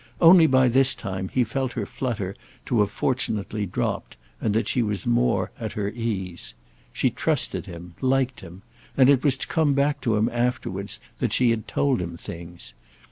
Only by this time he felt her flutter to have fortunately dropped and that she was more at her ease. She trusted him, liked him, and it was to come back to him afterwards that she had told him things.